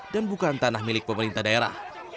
dan bukan tanah milik pemerintah daerah